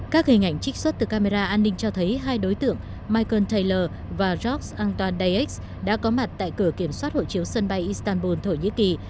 các hình ảnh trích xuất từ camera an ninh cho thấy hai đối tượng michael taylor và jacques antoine dayex đã có mặt tại cửa kiểm soát hộ chiếu sân bay istanbul thổ nhĩ kỳ